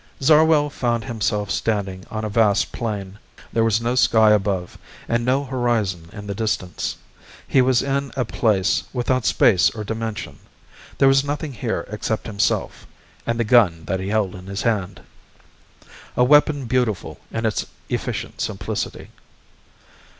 Zarwell found himself standing on a vast plain. There was no sky above, and no horizon in the distance. He was in a place without space or dimension. There was nothing here except himself and the gun that he held in his hand. A weapon beautiful in its efficient simplicity.